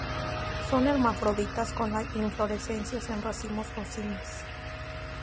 Son hermafroditas con la inflorescencias en racimos o cimas.